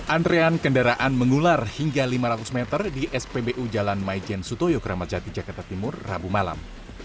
antrean kendaraan mengular hingga lima ratus meter di spbu jalan maijen sutoyo kramatjati jakarta timur rabu malam